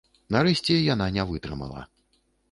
Нарэшце яна не вытрымала.